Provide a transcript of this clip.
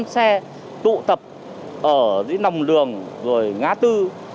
ba bốn năm xe tụ tập ở dưới nòng đường rồi ngá tư